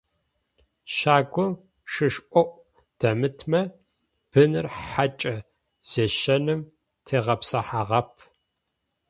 Щагум шышӏоӏу дэмытмэ, быныр хьакӏэ зещэным тегъэпсыхьагъэп.